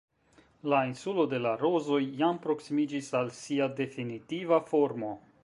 La Insulo de la Rozoj jam proksimiĝis al sia definitiva formo.